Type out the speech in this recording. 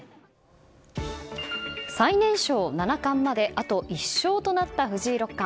最年少七冠まであと１勝となった藤井六冠。